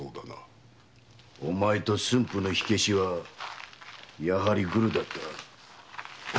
お前と駿府の火消しはやはりグルだった。